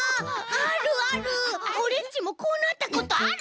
オレっちもこうなったことある。